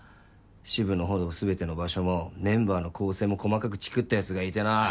支部のほぼすべての場所もメンバーの構成も細かくチクったやつがいてなぁ。